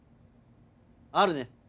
あるね。